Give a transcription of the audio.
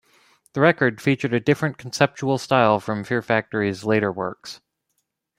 The record featured a different conceptual style from Fear Factory's later works.